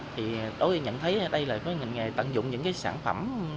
tôi nhận thấy đây là một nghề tận dụng những sản phẩm